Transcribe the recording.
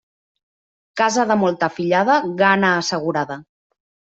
Casa de molta fillada, gana assegurada.